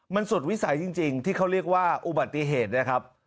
มันสุดวิสัยจริงที่เขาเรียกว่าอุบัติเหตุนะครับ